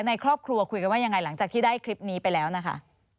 ในครอบครัวคุยกันว่ายังไงหลังจากที่ได้คลิปนี้ไปแล้วนะคะ